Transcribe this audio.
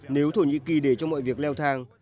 nếu thổ nhĩ kỳ để cho mọi việc leo thang